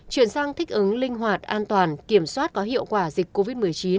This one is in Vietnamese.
chuyển sang thích ứng linh hoạt an toàn kiểm soát có hiệu quả dịch covid một mươi chín